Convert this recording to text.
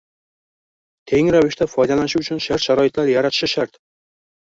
teng ravishda foydalanishi uchun shart-sharoitlar yaratishi shart.